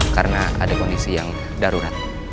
karena ada kondisi yang darurat